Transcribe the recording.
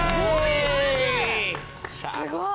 すごい。